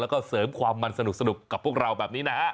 แล้วก็เสริมความมันสนุกกับพวกเราแบบนี้นะฮะ